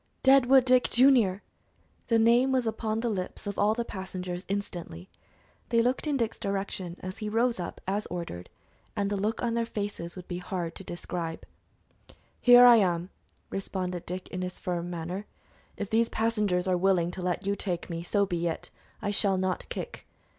"Deadwood Dick, Junior!" The name was upon the lips of all the passengers, instantly. They looked in Dick's direction, as he rose up as ordered, and the look on their faces would be hard to describe. "Here I am!" responded Dick, in his firm manner. "If these passengers are willing to let you take me, so be it; I shall not kick.